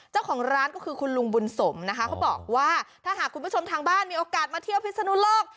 เจ้าของร้านก็คือคุณลุงบุญสมนะคะเขาบอกว่าถ้าหากคุณผู้ชมทางบ้านมีโอกาสมาเที่ยวพิศนุโลก